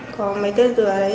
có mấy cây dừa đấy